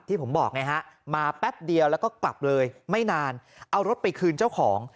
ผมบอกไงฮะมาแป๊บเดียวแล้วก็กลับเลยไม่นานเอารถไปคืนเจ้าของ